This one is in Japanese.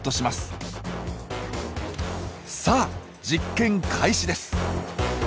さあ実験開始です！